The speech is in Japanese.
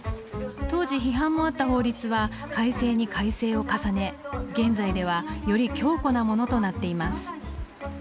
当時批判もあった法律は改正に改正を重ね現在ではより強固なものとなっています。